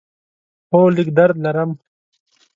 هو، لږ درد لرم